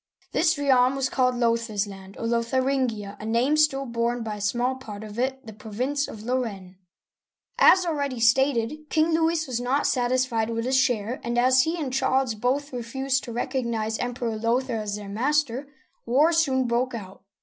This realm was called Lothair's land, or Lotharin'gia, a name still borne by a small part of it, the province of Lorraine'. As already stated. King Louis was not satisfied with his share, and as he and Charles both refused to recognize Emperor Lothair as their master, war soon broke out.